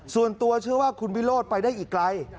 ส่วนตัวเชื่อว่าคุณวิโรธไปได้อีกไกล